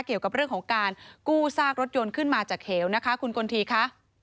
เกี่ยวกับเรื่องของการกู้ซากรถยนต์ขึ้นมาจากเหวนะคะคุณกลทีค่ะ